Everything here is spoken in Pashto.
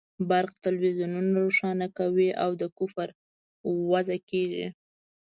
برق تلویزیونونه روښانه کوي او د کفر وعظ کېږي.